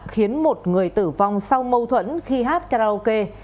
khiến một người tử vong sau mâu thuẫn khi hát karaoke